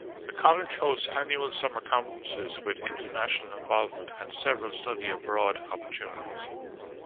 The college hosts annual summer conferences with international involvement and several study abroad opportunities.